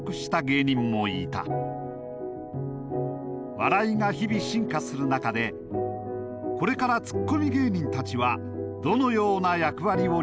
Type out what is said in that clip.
笑いが日々進化する中でこれからツッコミ芸人たちはどのような役割を担うのか。